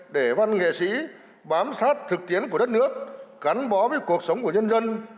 để văn nghệ sĩ bám sát thực tiễn của đất nước gắn bó với cuộc sống của nhân dân